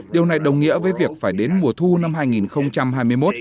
điều này đồng nghĩa với việc phải đến mùa thu năm hai nghìn hai mươi một